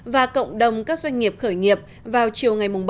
và cộng đồng các doanh nghiệp khởi nghiệp vào chiều ngày bảy tháng chín